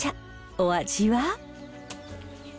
お味は？